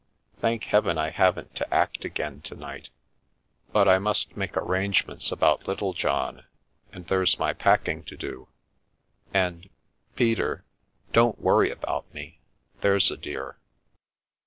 Thank Heaven, I haven't to act again to night. But I must make ar The Milky Way rangements about Littlejohn, and there's my packing to do— and — Peter— don't worry about me, there's a dear."